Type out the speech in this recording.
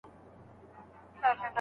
نه یم په مالت کي اشیانې راپسي مه ګوره